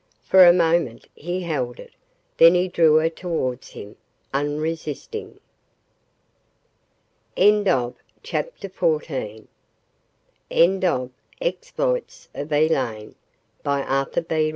For a moment he held it. Then he drew her towards him, unresisting. THE END End of Project Gutenberg's The Exploits of Elaine, by Arthur B.